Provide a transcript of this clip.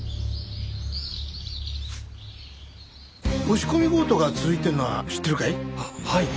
押し込み強盗が続いてるのは知ってるかい？ははい。